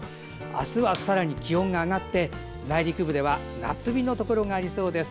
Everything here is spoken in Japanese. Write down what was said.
明日はさらに気温が上がって内陸部では夏日のところがありそうです。